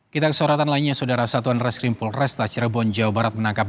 kita kesoratan lainnya saudara satuan reskrim pulres tacherebon jawa barat menangkap